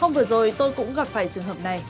hôm vừa rồi tôi cũng gặp phải trường hợp này